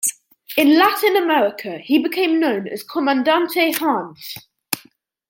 In Latin America, he became known as "Commandante Hans".